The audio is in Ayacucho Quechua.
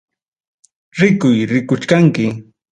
Rikuy rikuchkanki.